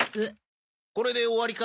これで終わりか？